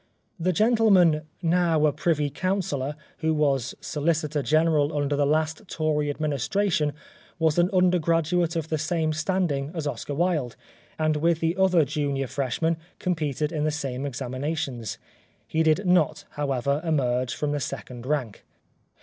The gentleman, now a Privy Councillor, who was Solicitor General under the last Tory Administration, was an undergraduate of the same standing as Oscar Wilde, and with the other junior freshman, competed in the same examinations. He did not, however, emerge from the Second Rank.